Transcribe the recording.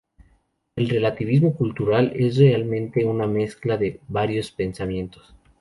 El relativismo cultural es realmente una mezcla de varios pensamientos.